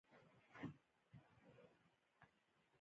آیا کاناډا د ودانیو شرکتونه نلري؟